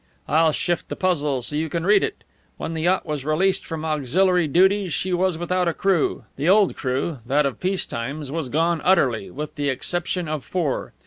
I'll shift the puzzle so you can read it. When the yacht was released from auxiliary duties she was without a crew. The old crew, that of peace times, was gone utterly, with the exception of four.